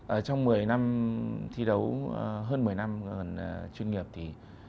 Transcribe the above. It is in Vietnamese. ở trong một mươi năm thi đấu hơn một mươi năm còn chuyên nghiệp thì